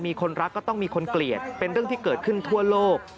มีคนรักก็ต้องมีคนเกลียดเป็นเรื่องที่เกิดขึ้นทั่วโลก